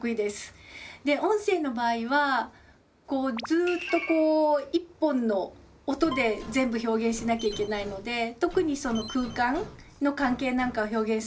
音声の場合はずっとこう一本の音で全部表現しなきゃいけないので特に空間の関係なんかを表現をするのが難しいと思います。